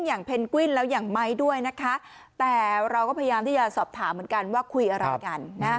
เพนกวินแล้วอย่างไม้ด้วยนะคะแต่เราก็พยายามที่จะสอบถามเหมือนกันว่าคุยอะไรกัน